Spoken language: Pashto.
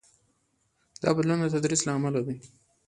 دا بدلون د تدریس له امله دی.